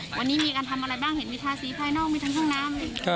วันนี้มีการทำอะไรบ้างเห็นมีทาสีภายนอกมีทั้งห้องน้ำ